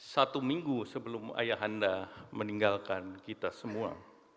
satu minggu sebelum ayahanda meninggalkan kita semua